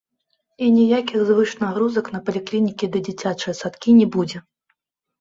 І ніякіх звышнагрузак на паліклінікі ды дзіцячыя садкі не будзе.